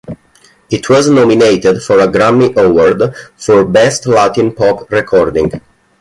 It was nominated for a Grammy Award for Best Latin Pop Recording.